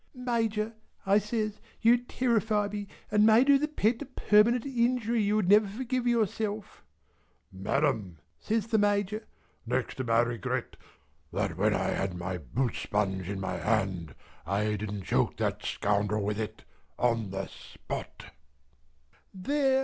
"Major," I says, "you terrify me and may do the pet a permanent injury you would never forgive yourself." "Madam," says the Major, "next to my regret that when I had my boot sponge in my hand, I didn't choke that scoundrel with it on the spot " "There!